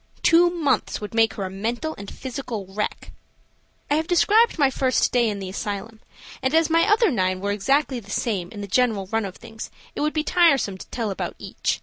Two months would make her a mental and physical wreck. I have described my first day in the asylum, and as my other nine were exactly the same in the general run of things it would be tiresome to tell about each.